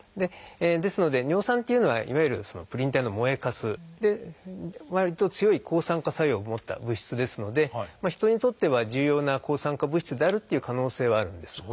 ですので尿酸っていうのはいわゆるプリン体の燃えかすでわりと強い抗酸化作用を持った物質ですので人にとっては重要な抗酸化物質であるっていう可能性はあるんです。